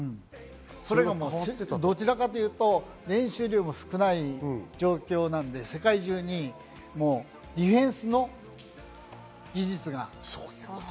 どちらかというと練習量も少ない状況なので、世界中にディフェンスの技術が。